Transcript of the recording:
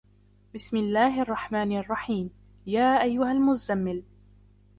بِسْمِ اللَّهِ الرَّحْمَنِ الرَّحِيمِ يَا أَيُّهَا الْمُزَّمِّلُ